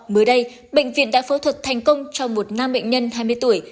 mới đây bệnh viện đã phẫu thuật thành công cho một nam bệnh nhân hai mươi tuổi